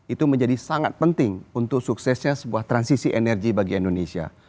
itu menjadi sangat penting untuk suksesnya sebuah transisi energi bagi indonesia